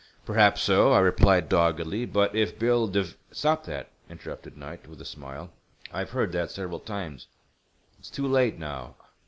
"Perhaps so," I replied, doggedly. "But if Big Bill Dev—" "Stop that," interrupted Knight, with a smile, "I've heard that several times. It's too late now.